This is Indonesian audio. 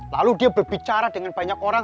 lalu dia berbicara dengan banyak orang